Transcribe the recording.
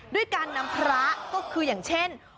ด้วยการนำพระก็คืออย่างเช่น